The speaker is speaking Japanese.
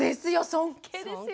尊敬ですよ。